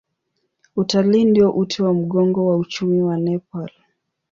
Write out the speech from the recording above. Utalii ndio uti wa mgongo wa uchumi wa Nepal.